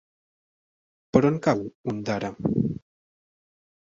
Per on cau Ondara?